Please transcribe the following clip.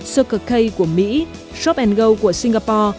circle k của mỹ shop go của singapore